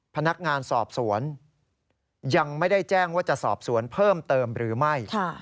พนักงานสอบสวนยังไม่ได้แจ้งว่าจะสอบสวนเพิ่มเติมหรือไม่